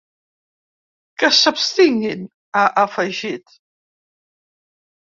Que s’abstinguin, ha afegit.